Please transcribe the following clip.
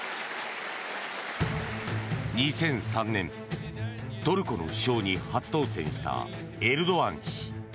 ２００３年トルコの首相に初当選したエルドアン氏。